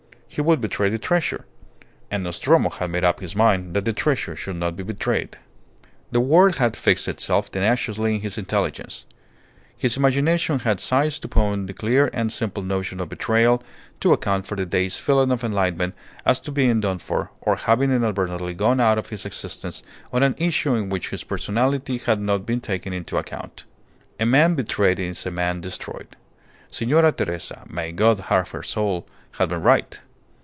He would betray the treasure. And Nostromo had made up his mind that the treasure should not be betrayed. The word had fixed itself tenaciously in his intelligence. His imagination had seized upon the clear and simple notion of betrayal to account for the dazed feeling of enlightenment as to being done for, of having inadvertently gone out of his existence on an issue in which his personality had not been taken into account. A man betrayed is a man destroyed. Signora Teresa (may God have her soul!) had been right.